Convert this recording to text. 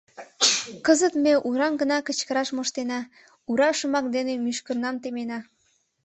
Кызыт ме «урам» гына кычкыраш моштена, «ура» шомак дене мӱшкырнам темена...